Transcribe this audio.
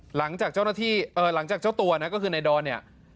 หลังจากเจ้าตัวก็คือในดอน